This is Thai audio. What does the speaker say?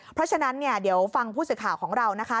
เพราะฉะนั้นเนี่ยเดี๋ยวฟังผู้สื่อข่าวของเรานะคะ